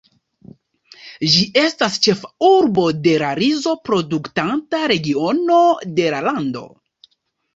Ĝi estas ĉefurbo de la rizo-produktanta regiono de la lando.